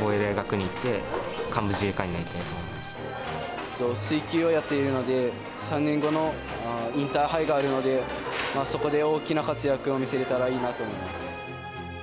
防衛大学校に行って、幹部自水球をやっているので、３年後のインターハイがあるので、そこで大きな活躍を見せれたらいいなと思います。